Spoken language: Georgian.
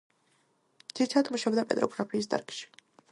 ძირითადად მუშაობდა პეტროგრაფიის დარგში.